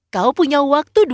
kau punya waktu dua puluh menit